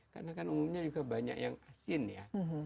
karena kan umumnya juga banyak yang asin ya